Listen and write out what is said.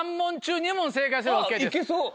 いけそう。